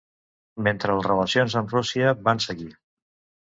Mentre les relacions amb Rússia van seguir.